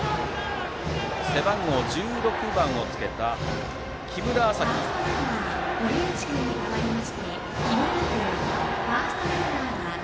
背番号１６番をつけた木村元陽が代走。